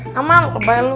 kamen apaan ya lo